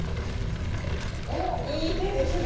おっいい手ですね